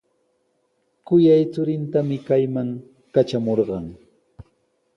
Kuyay churintami kayman katramurqan.